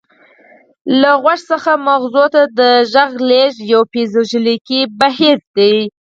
له غوږ څخه مغزو ته د غږ لیږد یو فزیولوژیکي بهیر دی